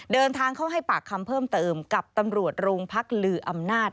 เดินทางเข้าให้ปากคำเพิ่มเติมกับตำรวจโรงพักลืออำนาจ